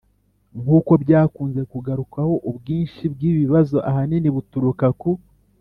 Nk uko byakunze kugarukwaho ubwinshi bw ibi bibazo ahanini buturuka ku